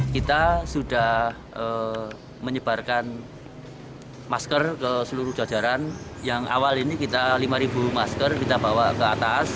kita sudah menyebarkan masker ke seluruh jajaran yang awal ini kita lima masker kita bawa ke atas